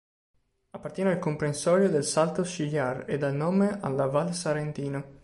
Appartiene al comprensorio del Salto-Sciliar e dà il nome alla Val Sarentino.